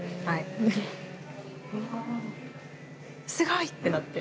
「すごい！」ってなって。